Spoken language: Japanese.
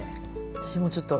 私もちょっと。